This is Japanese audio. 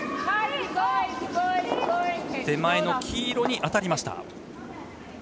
手前の黄色に当たりました。